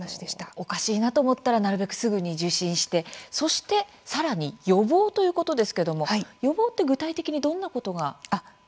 おかしいなと思ったらなるべくすぐに受診してさらに予防もということですけれども予防って具体的にどんなことが。